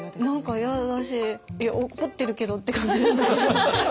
何か嫌だしいや怒ってるけどって感じで。